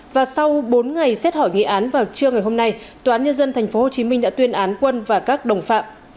và sau bốn ngày xét hỏi nghị án vào trưa ngày hôm nay tòa án nhân dân tp hcm đã tuyên án quân và các đồng phạm